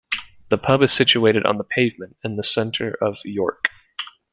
The pub is situated on The Pavement in the centre of York.